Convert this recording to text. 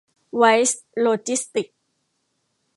ไวส์ โลจิสติกส์